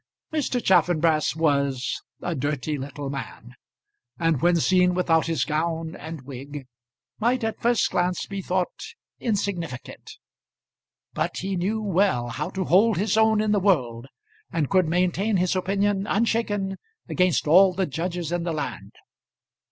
Mr. Chaffanbrass was a dirty little man; and when seen without his gown and wig, might at a first glance be thought insignificant. But he knew well how to hold his own in the world, and could maintain his opinion, unshaken, against all the judges in the land.